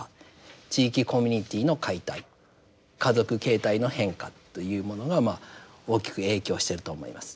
地域コミュニティーの解体家族形態の変化というものが大きく影響していると思います。